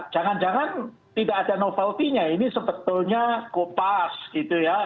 jangan jangan tidak ada novelty nya ini sebetulnya kopas gitu ya